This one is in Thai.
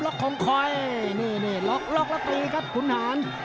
ล็อกคล่องคอยนี่ล็อกล็อกล็อกตีครับขุนหาญ